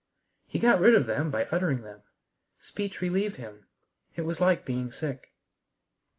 He got rid of them by uttering them. Speech relieved him. It was like being sick.